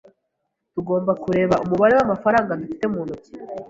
Tugomba kureba umubare w'amafaranga dufite mu ntoki.